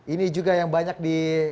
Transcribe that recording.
ini juga yang banyak di